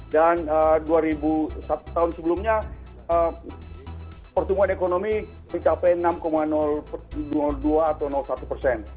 dan tahun sebelumnya pertumbuhan ekonomi mencapai enam dua atau satu persen